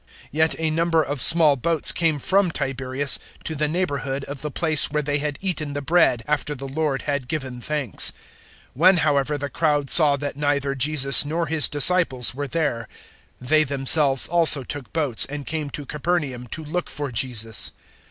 006:023 Yet a number of small boats came from Tiberias to the neighbourhood of the place where they had eaten the bread after the Lord had given thanks. 006:024 When however the crowd saw that neither Jesus nor His disciples were there, they themselves also took boats and came to Capernaum to look for Jesus.